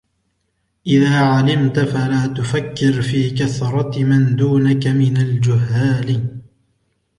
إذَا عَلِمْت فَلَا تُفَكِّرْ فِي كَثْرَةِ مَنْ دُونَك مِنْ الْجُهَّالِ